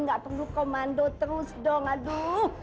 gak perlu komando terus dong aduh